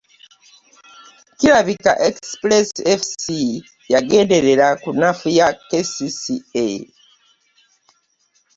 Kirabika Express FC yagenderera kunafuya KCCA.